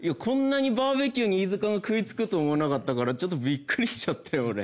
こんなにバーベキューに飯塚が食いつくと思わなかったからちょっとビックリしちゃったよ